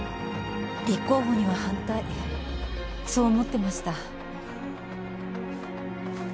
立候補には反対そう思ってました。